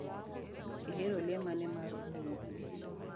Ihero le mane mar bungu?